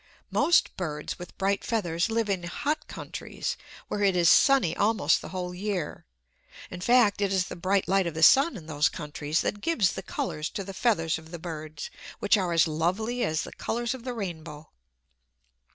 Most birds with bright feathers live in hot countries, where it is sunny almost the whole year. In fact, it is the bright light of the sun in those countries that gives the colors to the feathers of the birds, which are as lovely as the colors of the rainbow.